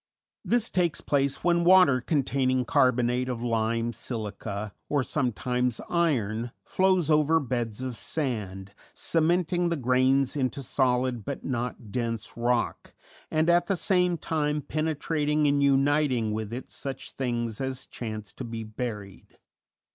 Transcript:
This takes place when water containing carbonate of lime, silica, or sometimes iron, flows over beds of sand, cementing the grains into solid but not dense rock, and at the same time penetrating and uniting with it such things as chance to be buried.